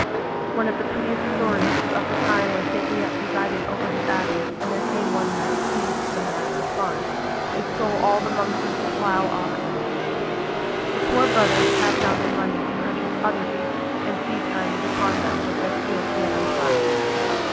One of the prettiest stories is of the time when St. Neot presided over his abbey and there came one night thieves to the monastic farm and stole all the monks' plough oxen. The poor brothers had not the money to purchase other beasts, and seed time was upon them with their fields yet unploughed.